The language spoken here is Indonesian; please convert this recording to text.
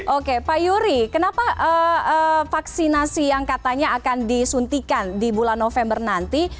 oke pak yuri kenapa vaksinasi yang katanya akan disuntikan di bulan november nanti